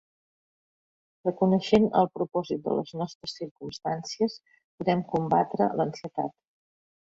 Reconeixent el propòsit de les nostres circumstàncies, podem combatre l'ansietat.